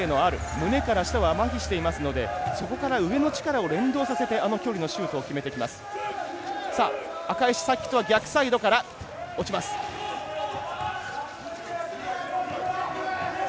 胸から下は、まひしているのでそこから上の力を連動させてシュートを打っていきます。